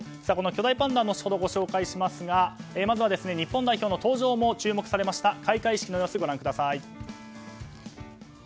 この巨大パンダを紹介しますがまずは日本代表の登場も注目されました開会式の様子ご覧ください。